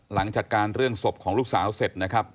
หลังจากการเรื่องศพของลูกสาวเสร็จนะครับ